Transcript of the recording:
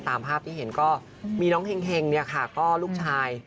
ตามภาพที่เห็นก็มีน้องเห็งก็ลูกชาย